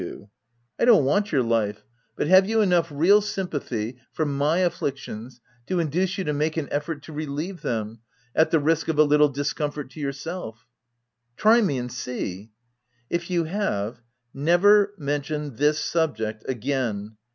u I don't want your life — but have you enough real sympathy for my afflictions to induce you to make an effort to relieve them, at the risk of a little discomfort to yourself?" w Try me, and see I? "If you have — never mention this subject again.